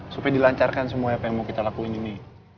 supaya dilancarkan semua apa yang mau kita lakuin ini